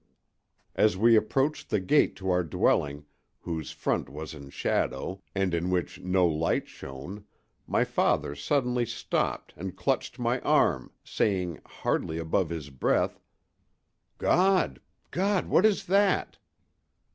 As we approached the gate to our dwelling, whose front was in shadow, and in which no light shone, my father suddenly stopped and clutched my arm, saying, hardly above his breath: "God! God! what is that?"